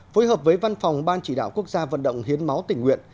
phối hợp với văn phòng ban chỉ đạo quốc gia vận động hiến máu tỉnh nguyện